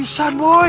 mantap ya ini boy